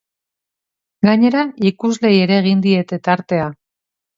Gainera, ikusleei ere egin diete tartea.